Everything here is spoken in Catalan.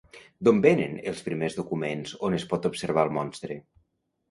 D'on venen els primers documents on es pot observar el monstre?